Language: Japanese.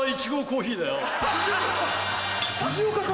藤岡さん！